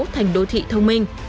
thành đô thị thông minh